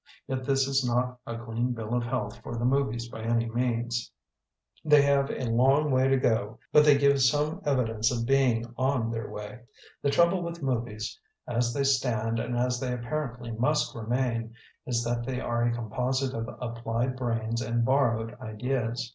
Yet this is not a clean bill of health for the movies by any means. They have a long way to go, but they give some evi dence of being on their way. The trouble with movies as they stand and as they apparently must remain, is that they are a composite of applied brains and borrowed ideas.